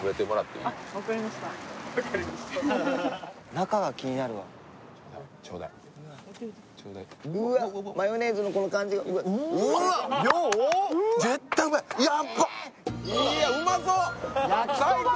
中見たいねちょうだいちょうだいうわっマヨネーズのこの感じがうわっ絶対うまいいやうまそう最高！